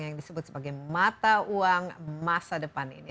yang disebut sebagai mata uang masa depan ini